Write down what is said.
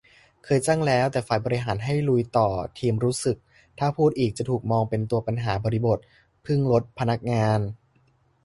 เคยแจ้งแล้ว แต่ฝ่ายบริหารให้ลุยต่อ ทีมรู้สึกถ้าพูดอีกจะถูกมองเป็นตัวปัญหา บริบท : เพิ่งลดพนักงาน